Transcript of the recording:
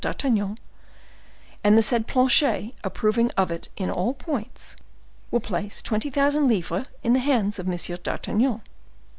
d'Artagnan, and the said Planchet approving of it in all points, will place twenty thousand livres in the hands of M. d'Artagnan.